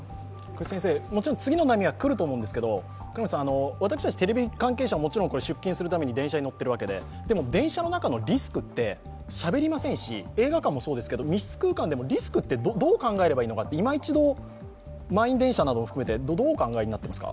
もちろん次の波は来ると思うんですけど私たちテレビ関係者ももちろん出勤するために電車に乗ってるわけで、でも電車の中のリスクってしゃべりませんし、映画館もそうですけど密室空間でもリスクってどう考えればいいのか今一度満員電車なども含めてどうお考えになっていますか？